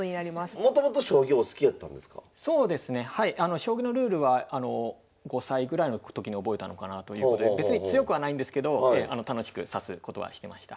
将棋のルールは５歳ぐらいの時に覚えたのかなということで別に強くはないんですけど楽しく指すことはしてました。